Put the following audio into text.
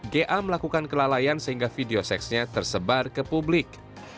ga melakukan kelalaian sehingga video seksnya tersebar ke publik